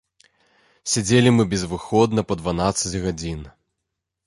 Сядзелі мы безвыходна па дванаццаць гадзін.